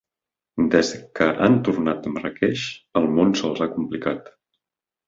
Des que han tornat de Marràqueix el món se'ls ha complicat.